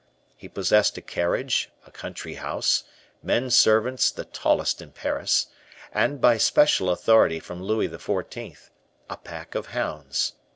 He possessed a carriage, a country house, men servants the tallest in Paris; and by special authority from Louis XIV., a pack of hounds.